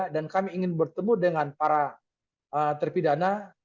dan kami ingin bertemu dengan para terpidana